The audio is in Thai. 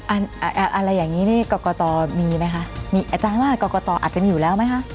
อะไรอย่างนี้นี่กรกตมีไหมคะมีอาจารย์ว่ากรกตอาจจะมีอยู่แล้วไหมคะ